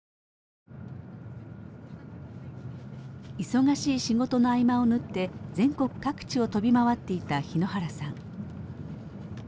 忙しい仕事の合間を縫って全国各地を飛び回っていた日野原さん。